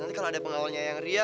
nanti kalau ada pengawalnya yang ria